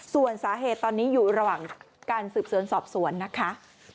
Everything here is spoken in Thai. ส่วนสาเหตุตอนนี้อยู่ระหว่างการสืบสวนสอบสวนนะคะ